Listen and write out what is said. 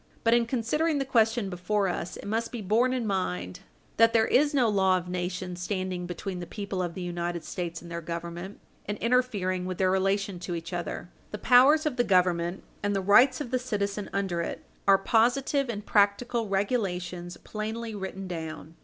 But, in considering the question before us, it must be borne in mind that there is no law of nations standing between the people of the United States and their Government and interfering with their relation to each other. The powers of the Government and the rights of the citizen under it are positive and practical regulations plainly written down.